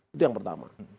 itu yang pertama